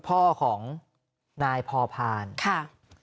พ่อของมพพารฯครับ